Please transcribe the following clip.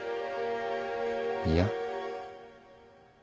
いや。